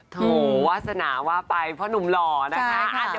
โถวาสนาว่าไปเพราะหนุ่มหล่อนะคะ